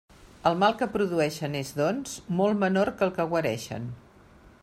El mal que produeixen és, doncs, molt menor que el que guareixen.